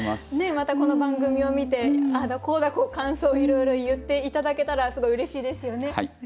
またこの番組を見てああだこうだ感想をいろいろ言って頂けたらすごいうれしいですよね。